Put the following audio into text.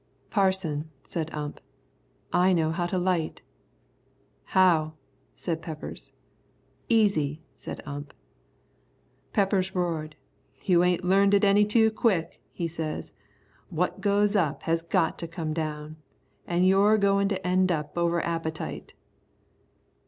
"Parson," said Ump, "I know how to light." "How?" said Peppers. "Easy," said Ump. Peppers roared. "You ain't learned it any too quick," he said. "What goes up, has got to come down, an' you're goin' up end over appetite."